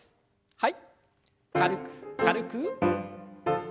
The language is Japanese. はい。